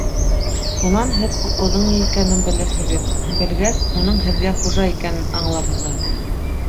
Шунан һеҙ Ҡурҡыуҙың ни икәнен белерһегеҙ, белгәс, уның һеҙгә хужа икәнен аңларһығыҙ.